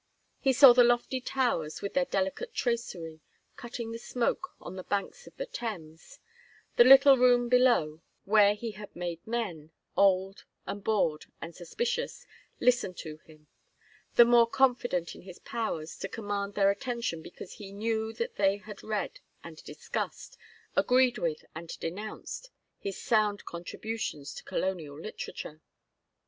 He saw the lofty towers with their delicate tracery, cutting the smoke on the banks of the Thames, the little room below where he had made men, old and bored and suspicious, listen to him; the more confident in his power to command their attention because he knew that they had read and discussed, agreed with and denounced, his sound contributions to colonial literature.